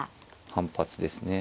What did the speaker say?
反発ですね。